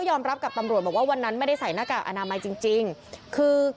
แต่อย่างที่บอกค่ะแม่ลูกสามคนนี้ไม่มีใครสวมหน้ากากอนามัยเลยอ่ะค่ะ